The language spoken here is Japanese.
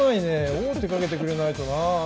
王手かけてくれないとな。